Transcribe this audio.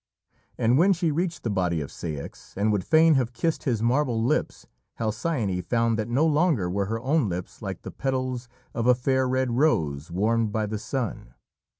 And when she reached the body of Ceyx and would fain have kissed his marble lips, Halcyone found that no longer were her own lips like the petals of a fair red rose warmed by the sun.